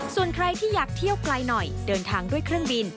ส่วนใครที่อยากเที่ยวไกลหน่อยเดินทางด้วยเครื่องบิน